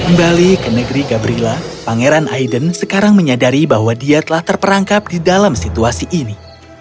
kembali ke negeri gabrilla pangeran aiden sekarang menyadari bahwa dia telah terperangkap di dalam situasi ini